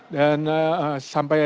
dan sampai esok hari nanti